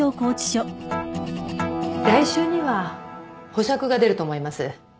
来週には保釈が出ると思います。